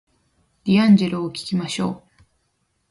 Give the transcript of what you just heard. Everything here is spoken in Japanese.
ディアンジェロを聞きましょう